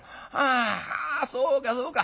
あそうかそうか。